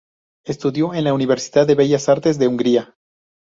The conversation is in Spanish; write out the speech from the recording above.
Estudió en la Universidad de Bellas Artes de Hungría.